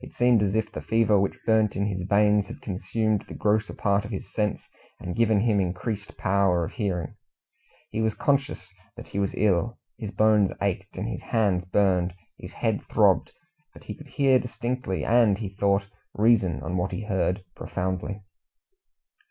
It seemed as if the fever which burnt in his veins had consumed the grosser part of his sense, and given him increased power of hearing. He was conscious that he was ill. His bones ached, his hands burned, his head throbbed, but he could hear distinctly, and, he thought, reason on what he heard profoundly.